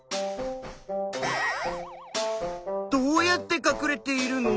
どうやってかくれているの？